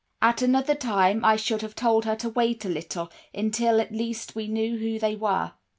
"At another time I should have told her to wait a little, until, at least, we knew who they were.